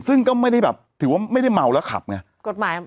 ซึ่งก็ไม่ได้แบบถือว่าไม่ได้เมาแล้วขับไง